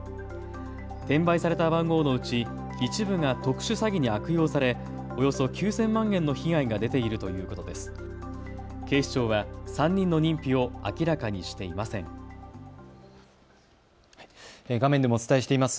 転売された番号のうち一部が特殊詐欺に悪用され、およそ９０００万円の被害が出ているということです。